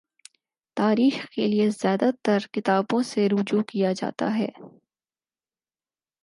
تاریخ کے لیے زیادہ ترکتابوں سے رجوع کیا جاتا ہے۔